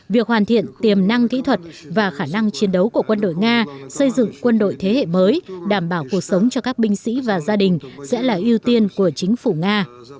việc hoàn thiện tiềm năng kỹ thuật và khả năng chiến đấu của quân đội nga xây dựng quân đội thế hệ mới đảm bảo cuộc sống cho các binh sĩ và gia đình sẽ là ưu tiên của chính phủ nga